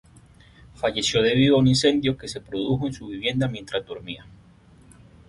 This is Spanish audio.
Falleció debido a un incendio que se produjo en su vivienda mientras dormía.